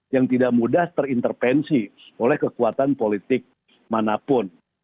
yang tidak mudah terintervensi oleh kekuatan politik manapun